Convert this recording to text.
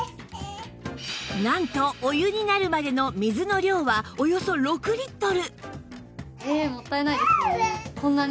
なんとお湯になるまでの水の量はおよそ６リットル